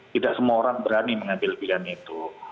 tidak semua orang berani mengambil pilihan itu